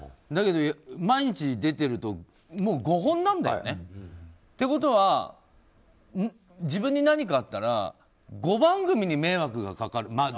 だけど毎日出てると５本なんだよね。ということは自分に何かあったら５番組に迷惑がかかる。